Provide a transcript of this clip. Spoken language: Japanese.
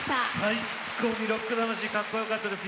最高にロック魂かっこよかったです。